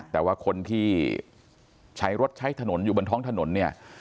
แต่ว่าคนที่ใช้รถใช้ถนนอยู่บนท้องถนนเนี่ย